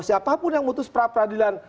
siapapun yang mutus perapradilan